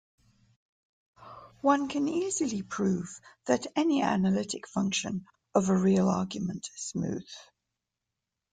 One can easily prove that any analytic function of a real argument is smooth.